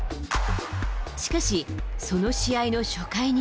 しかし、その試合の初回に。